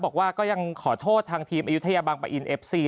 บอกว่าก็ยังขอโทษทางทีมอายุทยาบังปะอินเอฟซี